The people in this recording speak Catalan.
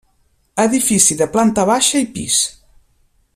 Edifici de planta baixa i pis.